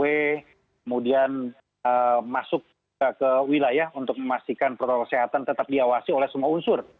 kemudian masuk ke wilayah untuk memastikan protokol kesehatan tetap diawasi oleh semua unsur